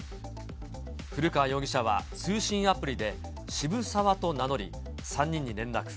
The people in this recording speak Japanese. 古川容疑者は通信アプリで渋沢と名乗り、３人に連絡。